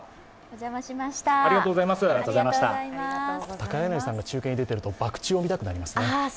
高柳さんが中継に出ているとバク宙が見たくなりますね。